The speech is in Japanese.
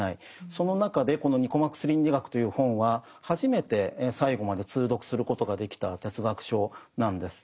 その中でこの「ニコマコス倫理学」という本は初めて最後まで通読することができた哲学書なんです。